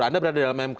anda berada di dalam mk